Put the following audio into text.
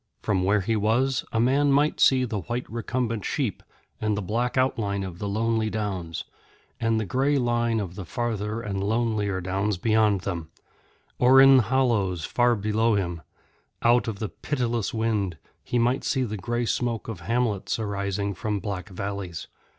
From where he was, a man might see the white recumbent sheep and the black outline of the lonely downs, and the grey line of the farther and lonelier downs beyond them; or in hollows far below him, out of the pitiless wind, he might see the grey smoke of hamlets arising from black valleys.